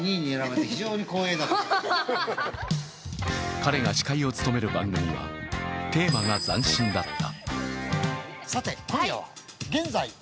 彼が司会を務める番組はテーマが斬新だった。